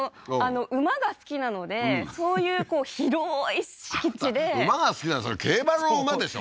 馬が好きなのでそういうこう広ーい敷地で馬が好きなのそれ競馬の馬でしょ？